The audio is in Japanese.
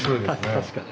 確かに。